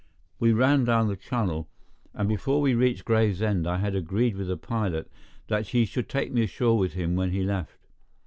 We ran down the Channel, and before we reached Gravesend I had agreed with the pilot that he should take me ashore with him when he left.